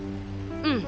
うん！